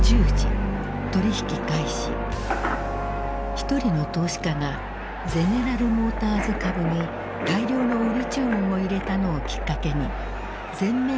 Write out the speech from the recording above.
一人の投資家がゼネラル・モーターズ株に大量の売り注文を入れたのをきっかけに全面売りの展開となる。